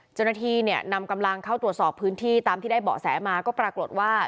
เจ้าหน้าที่เนี่ยนำกำลังเข้าตรวจสอบพื้นที่ตามที่ได้เบาะแสมาก็ปรากฏว่า